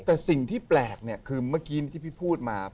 แต่สิ่งที่แปลกเนี่ยคือเมื่อกี้ที่พี่พูดมา